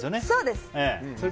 そうです。